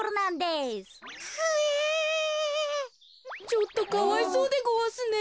ちょっとかわいそうでごわすね。